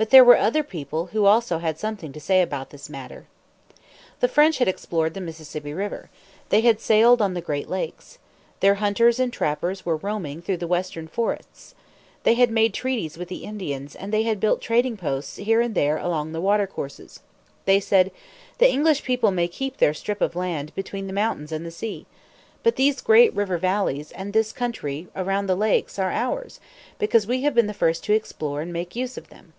But there were other people who also had something to say about this matter. The French had explored the Mississippi River. They had sailed on the Great Lakes. Their hunters and trappers were roaming through the western forests. They had made treaties with the Indians; and they had built trading posts, here and there, along the watercourses. They said, "The English people may keep their strip of land between the mountains and the sea. But these great river valleys and this country around the Lakes are ours, because we have been the first to explore and make use of them."